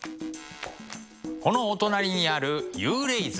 このお隣にある「幽霊図」。